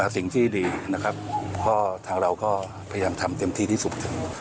สิ่งที่ดีนะครับก็ทางเราก็พยายามทำเต็มที่ที่สุด